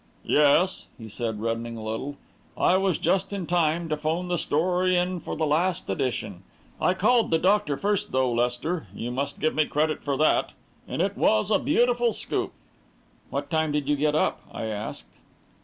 "Yes," he said, reddening a little, "I was just in time to 'phone the story in for the last edition. I called the doctor first, though, Lester you must give me credit for that! And it was a beautiful scoop!" "What time did you get up?" I asked.